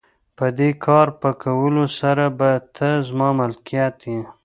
د دې کار په کولو سره به ته زما ملکیت یې.